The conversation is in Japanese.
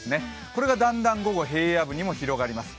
これがだんだん午後、平野部にも広がります。